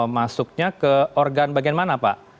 masuknya ke organ bagian mana pak